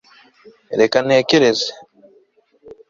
reka ntekereze